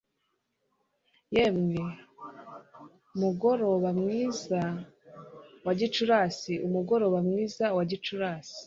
yemwe mugoroba mwiza wa gicurasi! umugoroba mwiza wa gicurasi